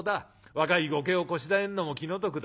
若い後家をこしらえるのも気の毒だ。